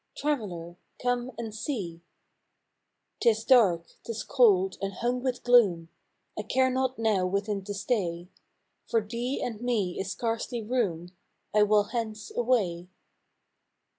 "" Traveller, come and see." 94 FROM QUEENS' GARDENS. " 'T is dark, 't is cold, and hung with gloom: I care not now within to stay; For thee and me is scarcely room, I will hence away."